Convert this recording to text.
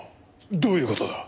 どういう事だ？